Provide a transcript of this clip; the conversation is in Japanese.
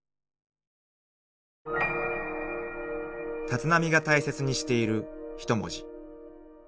［立浪が大切にしている一文字］